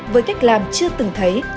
với cách làm chưa từng thấy